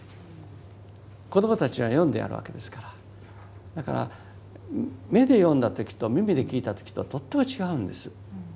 子どもたちには読んでやるわけですからだから目で読んだ時と耳で聞いた時ととっても違うんです。